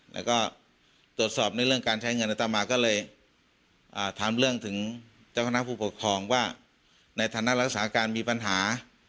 แล้วก็ตรวจสอบในเรื่องการใช้เงินอัตมาก็เลยถามเรื่องถึงเจ้าคณะผู้ปกครองว่าในฐานะรักษาการมีปัญหา